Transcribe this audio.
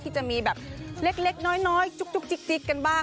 ที่จะมีแบบเล็กน้อยจุ๊กจิ๊กกันบ้าง